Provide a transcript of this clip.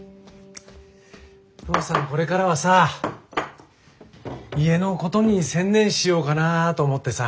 父さんこれからはさ家のことに専念しようかなと思ってさ。